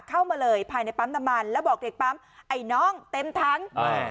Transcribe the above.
เข้ามาเลยภายในปั๊มน้ำมันแล้วบอกเด็กปั๊มไอ้น้องเต็มถังอ่า